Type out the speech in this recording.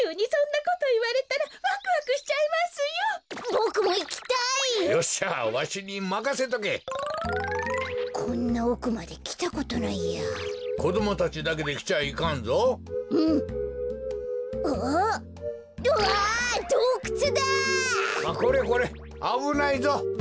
これこれあぶないぞ！